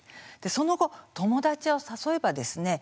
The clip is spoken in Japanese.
その後、友達を誘えばですね